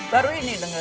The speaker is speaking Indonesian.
baru ini dengar